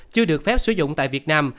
chưa được phép sử dụng tại việt nam